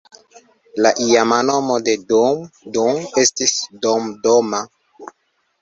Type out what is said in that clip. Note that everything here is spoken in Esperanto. La iama nomo de Dum Dum estis "Domdoma".